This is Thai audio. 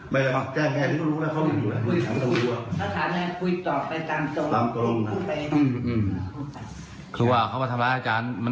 ผมก็เลยเขาถือมีตัวกามฝา